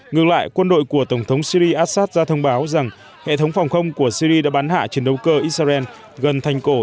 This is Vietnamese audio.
ngược lại quân đội của tổng thống syri assad ra thông báo rằng hệ thống phòng không của syri đã bắn hạ chiến đấu cơ israel gần thành cổ